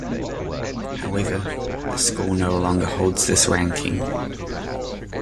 However, the school no longer holds this ranking.